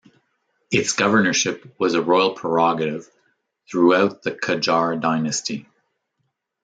Its governorship was a royal prerogative throughout the Qajar dynasty.